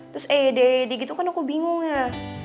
terus eed gitu kan aku bingung ya